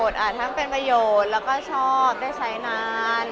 อ่านทั้งเป็นประโยชน์แล้วก็ชอบได้ใช้นาน